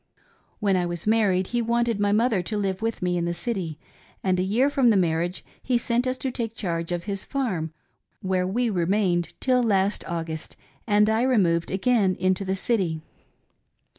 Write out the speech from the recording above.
When I was married he wanted my mother to live with me in the city, and a year from the marriage he sent us to take charge of his farm, where we remained till last August, and I removed again into the city.